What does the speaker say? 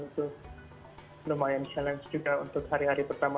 itu lumayan tantangan juga untuk hari hari perpustakaan